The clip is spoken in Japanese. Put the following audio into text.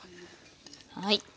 はい。